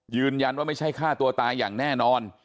ยืนยันว่าไม่ใช่ฆ่าตัวตายอย่างแน่นอน